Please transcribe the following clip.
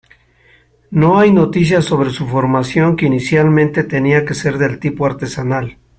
No hay noticias sobre su formación que inicialmente tenía que ser de tipo artesanal.